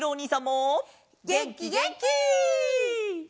げんきげんき！